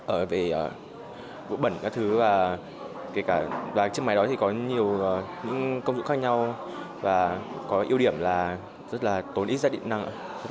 ở về bụi bẩn các thứ và chiếc máy đó thì có nhiều công dụng khác nhau và có yếu điểm là rất là tốn ít ra điện năng